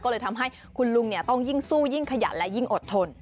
ก็เลยทำให้คุณลุงต้องยิ่งสู้ยิ่งขยันและยิ่งอดทน